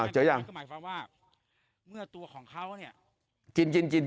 เจออย่างเมื่อตัวของเขาเนี่ย